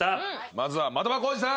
まずは的場浩司さん